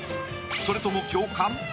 それとも共感？